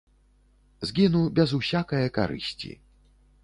Згіну без усякае карысці.